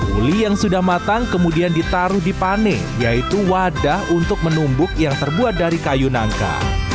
uli yang sudah matang kemudian ditaruh di pane yaitu wadah untuk menumbuk yang terbuat dari kayu nangka